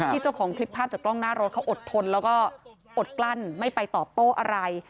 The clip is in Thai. เจ้าของคลิปภาพจากกล้องหน้ารถเขาอดทนแล้วก็อดกลั้นไม่ไปตอบโต้อะไร